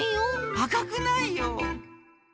あかくないよ！